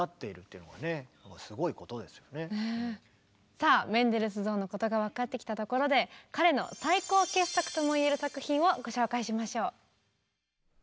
さあメンデルスゾーンのことが分かってきたところで彼の最高傑作とも言える作品をご紹介しましょう。